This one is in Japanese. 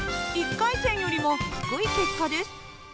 １回戦よりも低い結果です。